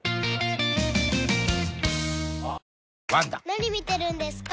・何見てるんですか？